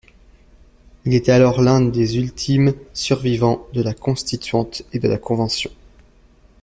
Il était alors l'un des ultimes survivants de la Constituante et de la Convention.